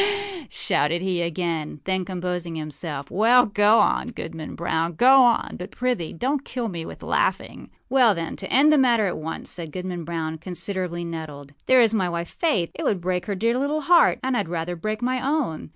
â shouted he again and again; then composing himself, âWell, go on, Goodman Brown, go on; but, prithee, donât kill me with laughing.â âWell, then, to end the matter at once,â said Goodman Brown, considerably nettled, âthere is my wife, Faith. It would break her dear little heart; and Iâd rather break my own.